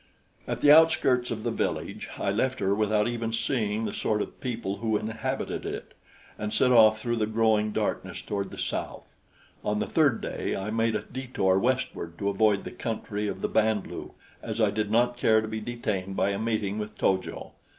At the outskirts of the village I left her without even seeing the sort of people who inhabited it, and set off through the growing darkness toward the south. On the third day I made a detour westward to avoid the country of the Band lu, as I did not care to be detained by a meeting with To jo.